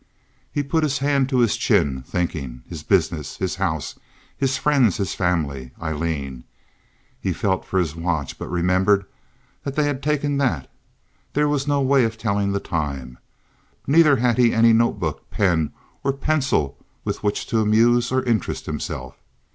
He put his hand to his chin, thinking—his business, his house, his friends, his family, Aileen. He felt for his watch, but remembered that they had taken that. There was no way of telling the time. Neither had he any notebook, pen, or pencil with which to amuse or interest himself.